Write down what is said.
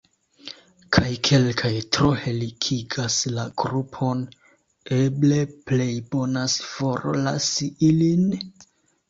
Kaj kelkaj tro helikigas la grupon: eble plejbonas forlasi ilin?